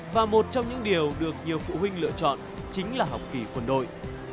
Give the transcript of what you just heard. và một trong những điều được nhiều phụ huynh lựa chọn chính là học kỳ quân đội